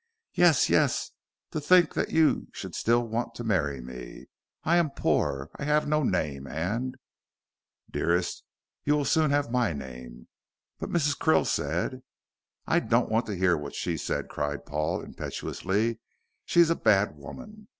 "Yes yes to think that you should still wish to marry me. I am poor I I have no name, and " "Dearest, you will soon have my name." "But Mrs. Krill said " "I don't want to hear what she said," cried Paul, impetuously; "she is a bad woman.